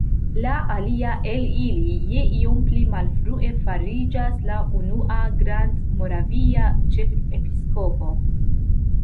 La alia el ili je iom pli malfrue fariĝas la unua grandmoravia ĉefepiskopo.